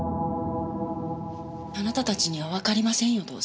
あなたたちにはわかりませんよ